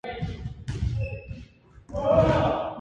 焼き肉がおいしい